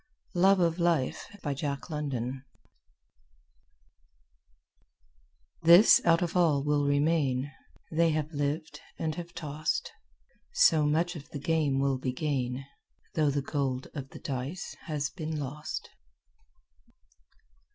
LOVE OF LIFE "This out of all will remain They have lived and have tossed: So much of the game will be gain, Though the gold of the dice has been lost."